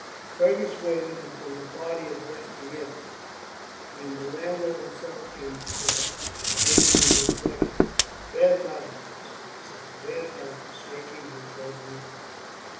Fergus waited until the party had left the inn, when the landlord himself came across to hand him his reckoning. "Bad times, master," he said. "Bad times," shaking his head ruefully.